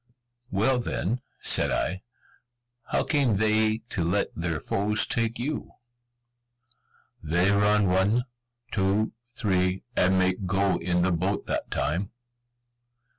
"Well, then," said I, "How came they to let their foes take you?" "They run one, two, three, and make go in the boat that time."